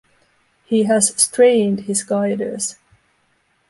He has strained his guiders.